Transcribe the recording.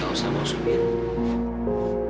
gak usah mau subir